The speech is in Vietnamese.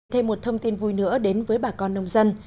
thêm một thông tin vui nữa đến với bà con nông dân